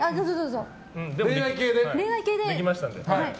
できましたんで。